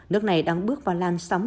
nước này đang bước vào lan sông